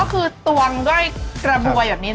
ก็คือตวงด้วยกระบวยแบบนี้